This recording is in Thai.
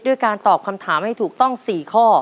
การตอบคำถามให้ถูกต้อง๔ข้อ